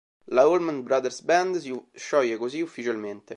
La Allman Brothers Band si scioglie così ufficialmente.